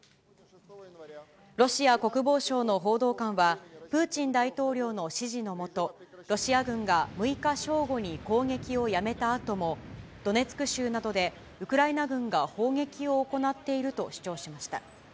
ロシア国防省の報道官は、プーチン大統領の指示の下、ロシア軍が６日正午に攻撃をやめたあとも、ドネツク州などでウクライナ軍が砲撃を行っていると主張しました。